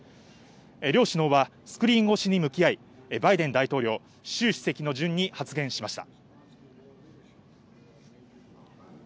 両首脳はスクリーン越しに向き合いバイデン大統領、シュウ主席の順に発言しました。